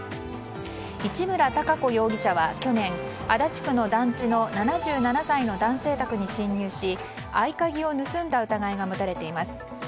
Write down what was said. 市村貴子容疑者は去年足立区の団地の７７歳の男性宅に侵入し合鍵を盗んだ疑いが持たれています。